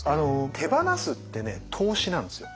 手放すってね投資なんですよ。